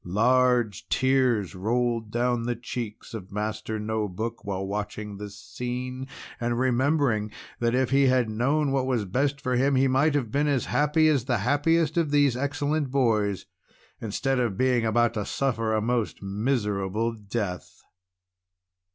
Large tears rolled down the cheeks of Master No Book while watching this scene, and remembering that if he had known what was best for him, he might have been as happy as the happiest of these excellent boys, instead of being about to suffer a most miserable death.